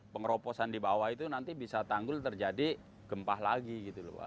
pengeroposan di bawah itu nanti bisa tanggul terjadi gempah lagi gitu lho